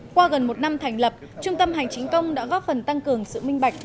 qua gần một năm thành lập trung tâm hành chính công đã góp phần tăng cường sự minh bạch